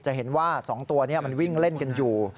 จะเห็นว่า๒ตัวนี้มันวิ่งเล่นกันอยู่